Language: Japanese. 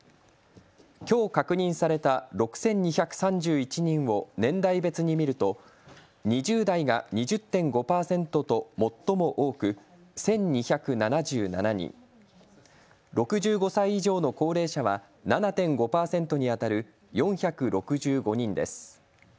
きょう確認された６２３１人を年代別に見ると２０代が２０．５％と最も多く１２７７人、６５歳以上の高齢者は７．５％にあたる４６５人です。